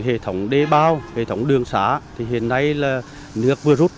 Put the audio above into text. hệ thống đê bao hệ thống đường xá thì hiện nay là nước vừa rút